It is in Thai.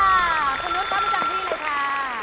คุณนุฏเข้าไปจากที่เลยค่ะ